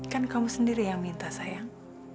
kan kamu sendiri yang minta sayang